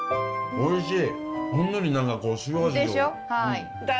おいしい。